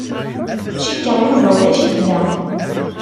Cikkeɣ Yuba ulac-it da.